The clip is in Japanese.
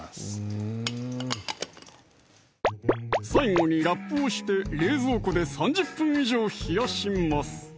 うん最後にラップをして冷蔵庫で３０分以上冷やします